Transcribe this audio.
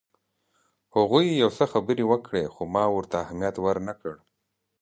هغوی یو څه خبرې وکړې خو ما ورته اهمیت ورنه کړ.